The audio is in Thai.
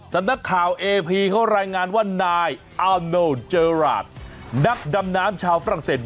สำนักข่าวเอพีเขารายงานว่านายอาโนเจอราชนักดำน้ำชาวฝรั่งเศส